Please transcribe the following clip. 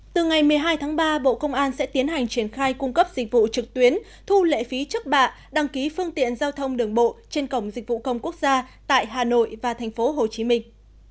từ ngày một mươi hai tháng ba bộ công an sẽ tiến hành triển khai cung cấp dịch vụ trực tuyến thu lệ phí chức bạ đăng ký phương tiện giao thông đường bộ trên cổng dịch vụ công quốc gia tại hà nội và thành phố hồ chí minh